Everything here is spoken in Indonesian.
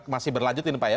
masih berlanjutin pak ya